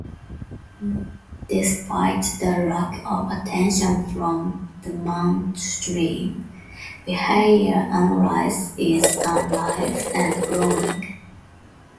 Despite the lack of attention from the mainstream, behavior analysis is alive and growing.